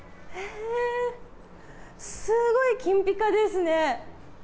すごい金ぴかですね。